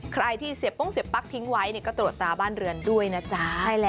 ใครที่เสียโป้งเสียปั๊กทิ้งไว้ก็ตรวจตาบ้านเรือนด้วยนะจ๊ะ